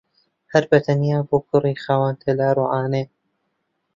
هەر بەتەنیا بۆ کوڕی خاوەن تەلار و عانەیە